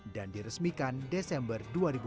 dan diresmikan desember dua ribu dua belas